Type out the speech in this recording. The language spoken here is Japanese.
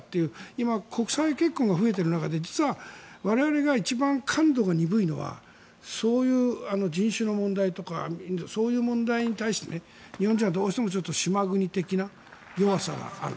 今、国際結婚が増えている中で実は我々が一番感度が鈍いのはそういう人種の問題とかそういう問題に対して日本人はどうしても島国的な弱さがある。